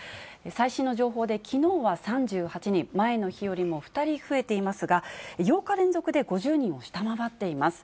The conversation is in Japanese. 最新の情報できのうは３８人、前の日よりも２人増えていますが、８日連続で５０人を下回っています。